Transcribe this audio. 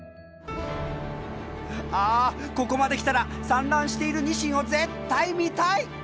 あここまで来たら産卵しているニシンを絶対見たい！